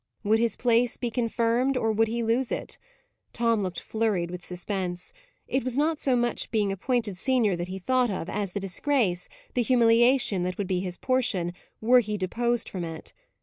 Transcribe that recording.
Would his place be confirmed? or would he lose it? Tom looked flurried with suspense. It was not so much being appointed senior that he thought of, as the disgrace, the humiliation that would be his portion, were he deposed from it.